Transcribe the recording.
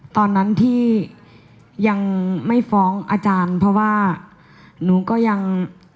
ตอนนั้นที่ยังไม่ฟ้องอาจารย์เพราะว่าหนูก็ยัง